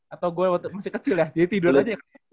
atau gue masih kecil ya jadi tidur aja